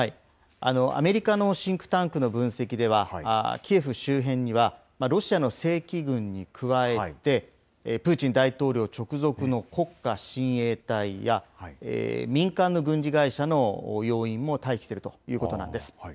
アメリカのシンクタンクの分析では、キエフ周辺にはロシアの正規軍に加えて、プーチン大統領直属の国歌親衛隊や、民間の軍事会社の要員も待機しているということなんです。